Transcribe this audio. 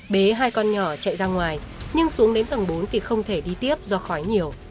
bế hai con nhỏ chạy ra ngoài nhưng xuống đến tầng bốn thì không thể đi tiếp do khói nhiều